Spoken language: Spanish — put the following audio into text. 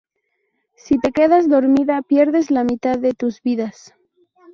Si te quedas dormida pierdes la mitad de tus vidas.